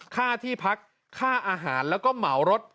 ค่าที่พักค่าอาหารแล้วก็เหมารถ